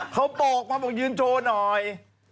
เขาบอกมาบอกยืนโชว์หน่อย